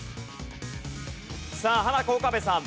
さあハナコ岡部さん。